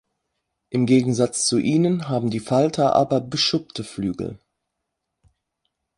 Im Gegensatz zu ihnen haben die Falter aber beschuppte Flügel.